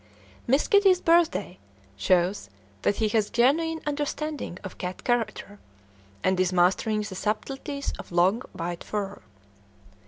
"Miss Kitty's Birthday" shows that he has genuine understanding of cat character, and is mastering the subtleties of long white fur.